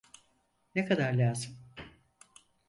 Ne kadar lazım?